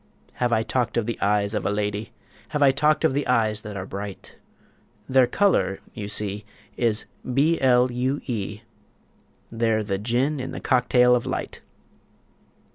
Have I talked of the eyes of a lady? Have I talked of the eyes that are bright? Their color, you see, Is B L U E; They're the gin in the cocktail of light.